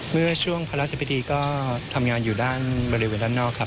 เมื่อช่วงพระราชพิธีก็ทำงานอยู่ด้านบริเวณด้านนอกครับ